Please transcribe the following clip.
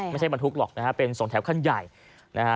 ไม่ใช่บรรทุกหรอกนะฮะเป็นสองแถวคันใหญ่นะฮะ